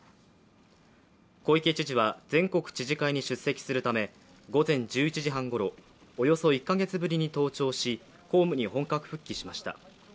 小池知事は全国知事会に出席するため午前１１時半ごろ、およそ１カ月ぶりに登庁し公務に本格復帰しました。